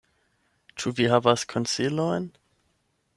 Ĉu vi havas konsilojn?